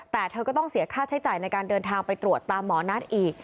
แต่เธอก็ต้องเสียค่าใช้จ่ายในการเดินทางไปตรวจตามหมอนัทอีก